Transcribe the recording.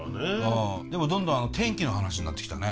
でもどんどん天気の話になってきたね。